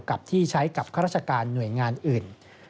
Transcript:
กับที่ใช้กับข้าราชการหน่วยงานอื่น